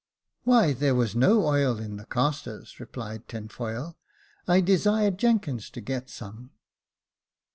" Why there was no oil in the castors," replied Tinfoil. "I desired Jenkins to get some."